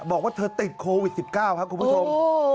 บอกว่าเธอติดโควิด๑๙ครับคุณผู้ชม